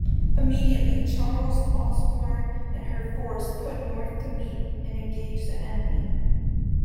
Immediately, "Charles Ausburne" and her force put north to meet and engage the enemy.